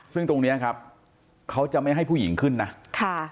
ซึ่งตรงเนี้ยครับเขาจะไม่ให้ผู้หญิงขึ้นนะค่ะ